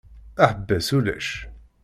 Aḥebbas ulac.